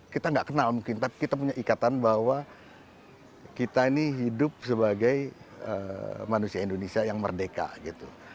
kita nggak kenal mungkin tapi kita punya ikatan bahwa kita ini hidup sebagai manusia indonesia yang merdeka gitu